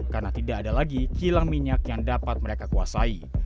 karena tidak ada lagi kilang minyak yang dapat mereka kuasai